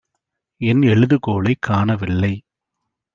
என் எழுதுகோலைக் காணவில்லை.